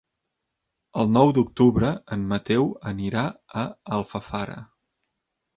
El nou d'octubre en Mateu anirà a Alfafara.